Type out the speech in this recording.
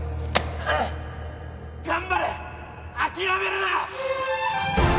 うっ頑張れ諦めるな！